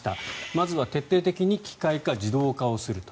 まずは徹底的に機械化・自動化をすると。